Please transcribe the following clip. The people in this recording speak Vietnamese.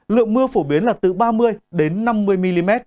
lượng mưa phổ biến là từ ba mươi đến năm mươi mm